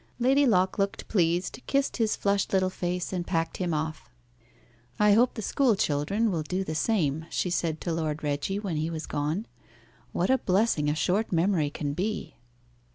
Lady Locke looked pleased, kissed his flushed little face, and packed him off. "I hope the school children will do the same," she said to Lord Reggie when he was gone. "What a blessing a short memory can be!"